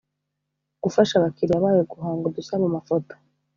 Gufasha abakiriya bayo guhanga udushya mu mafoto